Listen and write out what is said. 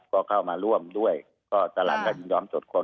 ก็เข้ามาร่วมด้วยก็จะหลังการยินยอมตรวจค้น